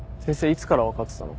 いつから分かってたの？